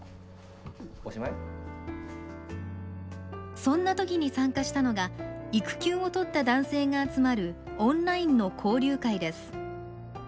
そんなときに参加したのが育休を取った男性が集まるオンラインの交流会です。